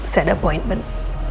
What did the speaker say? saya ada appointment